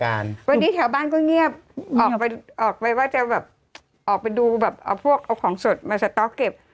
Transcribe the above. วันนี้แถวบ้านก็เงียบออกไปออกไปว่าจะแบบออกไปดูแบบเอาพวกเอาของสดมาสต๊อกเก็บ